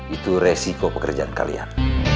itu resiko pekerjaan kalian